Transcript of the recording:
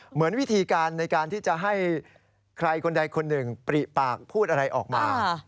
เหมือนวิธีการในการที่จะให้ใครคนใดคนหนึ่งปริปากพูดอะไรออกมา